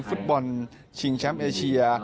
ฟุตบอลชิงแชมป์เอเชีย